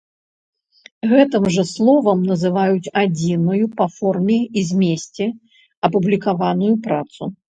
Гэтым жа словам называюць адзіную па форме і змесце апублікаваную працу.